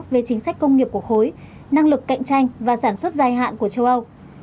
về chính sách công nghiệp của khối năng lực cạnh tranh và sản xuất dài hạn của châu âu